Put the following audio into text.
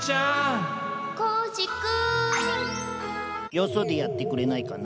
よそでやってくれないかな。